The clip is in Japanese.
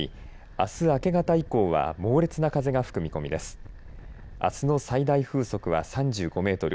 あすの最大風速は３５メートル